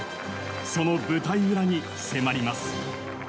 その舞台裏に迫ります。